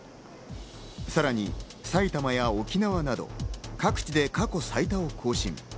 さらに埼玉や沖縄など各地で過去最多を更新。